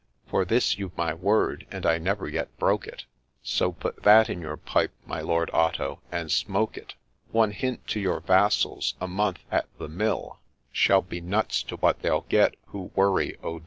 For this you've my word, and I never yet broke it, So put that in your pipe, my Lord Otto, and smoke it !— One hint to your vassals, — a month at " the Mill " Shall be nuts to what they'll get who worry Odille I ' 156 THE LAY OF ST.